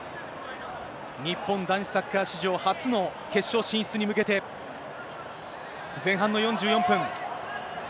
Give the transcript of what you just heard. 日本男子サッカー史上初の決勝進出に向けて、前半の４４分。